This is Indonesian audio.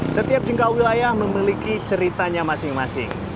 setiap tingkat wilayah memiliki ceritanya masing masing